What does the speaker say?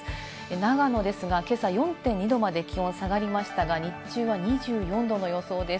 長野ですが、今朝４．２度まで気温が下がりましたが日中は２４度の予想です。